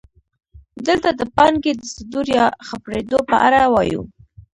دلته د پانګې د صدور یا خپرېدو په اړه وایو